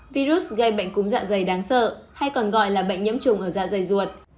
virus gây bệnh cúm dạ dày đáng sợ hay còn gọi là bệnh nhiễm trùng ở da dày ruột